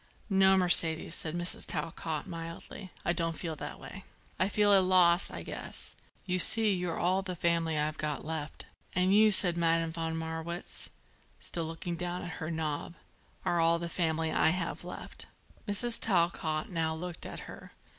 "No, Mercedes," said Mrs. Talcott mildly; "I don't feel that way. I feel it's a loss, I guess. You see you're all the family I've got left." "And you," said Madame von Marwitz, still looking down at her knob, "are all the family I have left." Mrs. Talcott now looked at her.